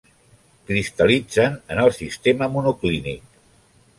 Cristal·litzen en el sistema monoclínic.